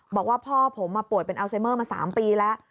บอกว่าพ่อผมป่วยเป็นอัลไซเมอร์มา๓ปีแล้ว